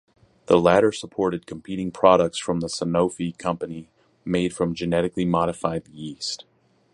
The latter supported competing products from the Sanofi company made from genetically modified yeast.